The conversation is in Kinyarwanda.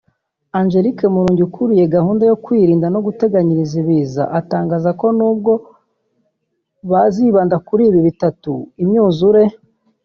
Angélique Murungi ukuriye gahunda yo kwirinda no guteganyiriza ibiza atangaza ko n’ubwo bazibanda kuri ibi bitatu (imyuzure